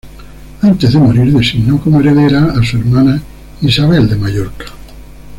Antes de morir, designó como heredera a su hermana Isabel de Mallorca.